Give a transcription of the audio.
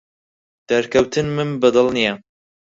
دەرکەوتنمم بەدڵ نییە.